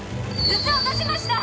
靴落としました！